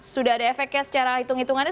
sudah ada efeknya secara hitung hitungannya